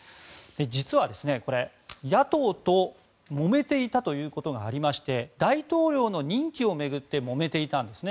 実は、野党ともめていたということがありまして大統領の任期を巡ってもめていたんですね。